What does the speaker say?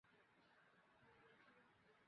আমি ওর জেগে ওঠার ঝুঁকি নিতে পারি না।